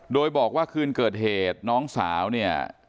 โดยบอกว่าคืนเกิดเหตุน้องสาวเนี่ย